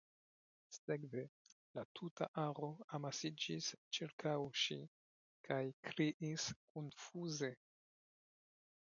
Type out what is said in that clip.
Sekve, la tuta aro amasiĝis ĉirkaŭ ŝi kaj kriis konfuze.